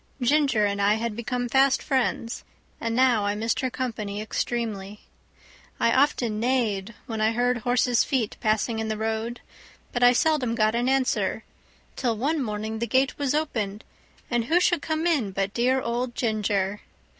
Ginger and I had become fast friends, and now I missed her company extremely. I often neighed when I heard horses' feet passing in the road, but I seldom got an answer; till one morning the gate was opened, and who should come in but dear old Ginger.